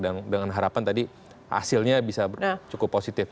dan dengan harapan tadi hasilnya bisa cukup positif